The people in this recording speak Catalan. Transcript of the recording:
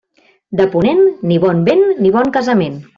De ponent, ni bon vent ni bon casament.